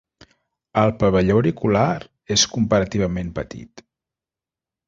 El pavelló auricular és comparativament petit.